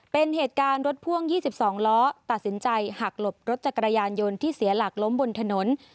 เป็นเหตุการณ์รถพ่วง๒๒ล้อตัดสินใจหักหลบรถจักรยานยนต์ที่เสียหลักล้มบนถนน